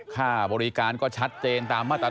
ค่าบริการก็ชัดเจนตามมาตร